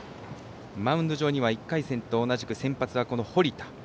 マウンド上には１回戦と同じく先発は堀田。